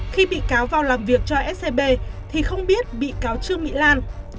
khi bị cáo vào làm việc cho scb thì không biết bị cáo trương mỹ lan